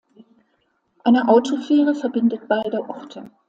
Eine Autofähre verbindet beide Orte.